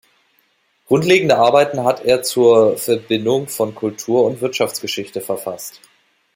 Grundlegende Arbeiten hat er zur Verbindung von Kultur- und Wirtschaftsgeschichte verfasst.